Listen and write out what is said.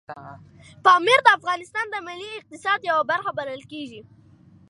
پامیر د افغانستان د ملي اقتصاد یوه برخه بلل کېږي.